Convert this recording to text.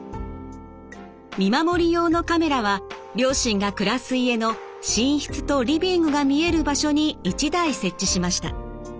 見守り用のカメラは両親が暮らす家の寝室とリビングが見える場所に１台設置しました。